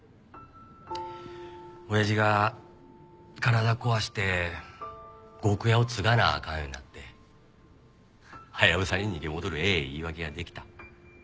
おやじが体壊して呉服屋を継がなあかんようになってハヤブサに逃げ戻るええ言い訳ができた。